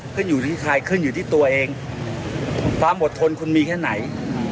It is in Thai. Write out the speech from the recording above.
ขึ้นอยู่ที่ใครขึ้นอยู่ที่ตัวเองความอดทนคุณมีแค่ไหน